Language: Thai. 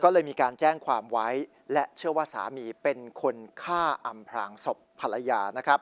ก็เลยมีการแจ้งความไว้และเชื่อว่าสามีเป็นคนฆ่าอำพลางศพภรรยานะครับ